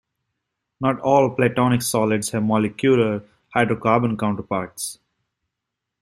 Not all Platonic solids have molecular hydrocarbon counterparts.